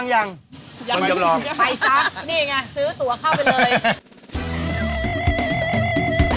นี่ไงซื้อตัวเข้าไปเลย